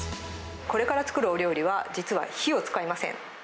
これから作るお料理は、実は火を使いません。